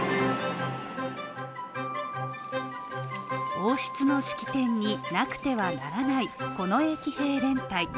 王室の式典になくてはならない近衛騎兵連隊。